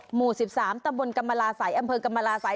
หมู่๑๓ตบนกำมาลาสัยอำเพิย์กำมาลาสัย